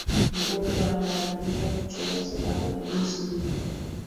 mgonjwa analazimika kuchomwa sindano ya insulini